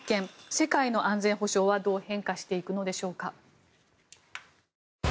世界の安全保障はどのように変化していくのでしょうか。